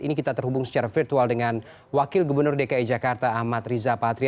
ini kita terhubung secara virtual dengan wakil gubernur dki jakarta ahmad riza patria